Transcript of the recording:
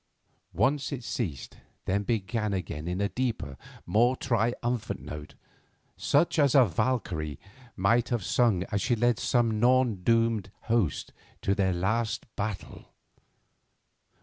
Once it ceased, then began again in a deeper, more triumphant note, such as a Valkyrie might have sung as she led some Norn doomed host to their last battle.